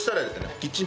キッチン